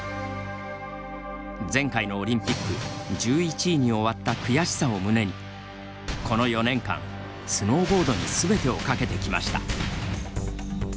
前回のオリンピック１１位に終わった悔しさを胸にこの４年間、スノーボードにすべてを懸けてきました。